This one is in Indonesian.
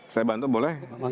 saya bantu boleh